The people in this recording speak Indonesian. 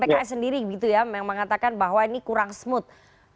pks sendiri gitu ya yang mengatakan bahwa ini kurang smooth